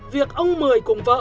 việc ông mười cùng vợ